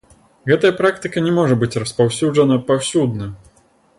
Гэтая практыка не можа быць распаўсюджаная паўсюдна.